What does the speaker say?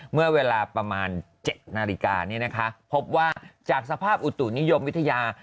เมื่อเวลาประมาณ๗นาฬิกาพบว่าจากสภาพอุตุนิยมวิทยา